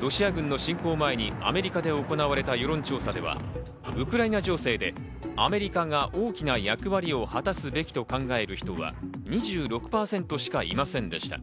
ロシア軍の侵攻前にアメリカで行われた世論調査ではウクライナ情勢でアメリカが大きな役割を果たすべきと考える人は２６％しかいませんでした。